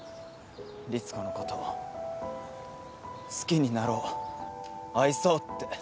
リツコのことを好きになろう愛そうって。